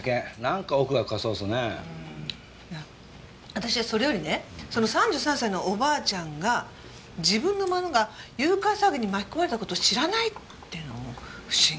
私はそれよりねその３３歳のおばあちゃんが自分の孫が誘拐騒ぎに巻き込まれた事を知らないっていうのは不思議。